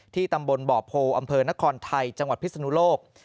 ตำบลบ่อโพอำเภอนครไทยจังหวัดพิศนุโลก